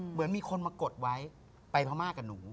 เหมือนมีคนมากดไว้ไปพม่ากับหนู